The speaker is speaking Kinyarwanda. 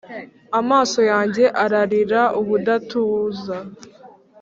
Amaso yanjye ararira ubudatuza,